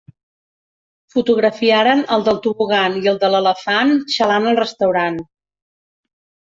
Fotografiaren el del tobogan i el de l'elefant xalant al restaurant.